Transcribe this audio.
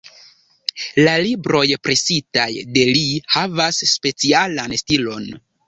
La libroj presitaj de li havas specialan stilon.